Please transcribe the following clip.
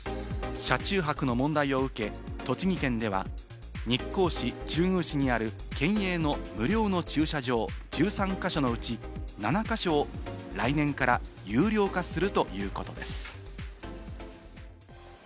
車中泊の問題を受け、栃木県では日光市などにある県営の無料の駐車場１３か所のうち７か所を来年から有料化するということです。